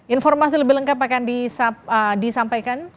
informasi lebih lengkap akan disampaikan